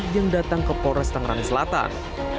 yang datang ke polres tangerang selatan